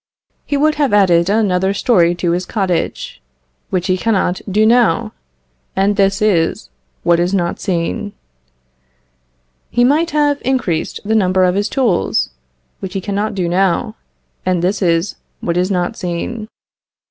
He would have added another story to his cottage, which he cannot do now, and this is what is not seen. He might have increased the number of his tools, which he cannot do now, and this is what is not seen.